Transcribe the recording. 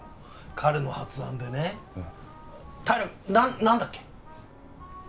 彼の発案でね平君何だっけ？